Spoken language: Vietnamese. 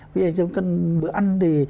ví dụ trong bữa ăn thì